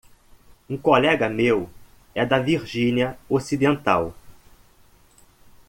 Um colega meu é da Virgínia Ocidental.